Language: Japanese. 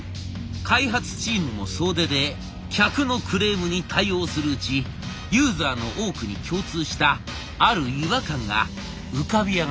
開発チームも総出で客のクレームに対応するうちユーザーの多くに共通したある違和感が浮かび上がってきました。